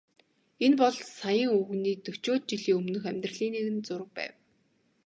Энэ бол саяын өвгөний дөчөөд жилийн өмнөх амьдралын нэгэн зураг байв.